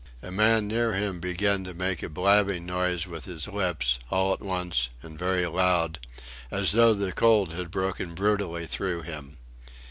A man near him began to make a blabbing noise with his lips, all at once and very loud, as though the cold had broken brutally through him.